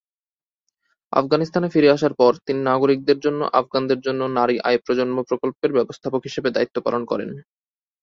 আফগানিস্তানে ফিরে আসার পর, তিনি নাগরিকদের জন্য আফগানদের জন্য নারী আয় প্রজন্ম প্রকল্পের ব্যবস্থাপক হিসেবে দায়িত্ব পালন করেন।